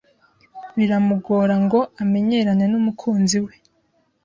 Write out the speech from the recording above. biramugora ngo amenyerane n’umukunzi we